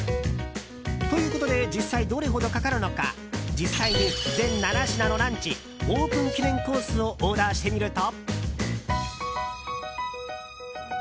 ということで実際どれほどかかるのか実際に全７品のランチオープン記念コースをオーダーしてみると。